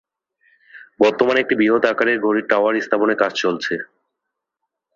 বর্তমানে একটি বৃহৎ আকারের ঘড়ির টাওয়ার স্থাপনের কাজ চলছে।